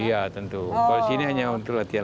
iya tentu di sini hanya untuk latihan latihan